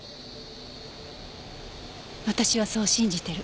私はそう信じてる。